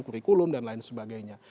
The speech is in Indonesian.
curriculum dan lain sebagainya